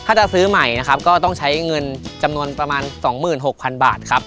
ถ้าจะซื้อใหม่นะครับก็ต้องใช้เงินจำนวนประมาณ๒๖๐๐๐บาทครับ